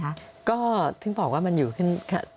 ก็ถึงบอกว่ามันอยู่ขึ้น